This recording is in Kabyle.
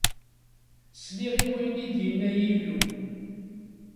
Sliɣ i wayen i d-inna Yillu.